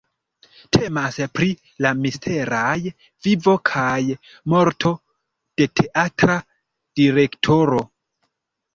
Temas pri la misteraj vivo kaj morto de teatra direktoro.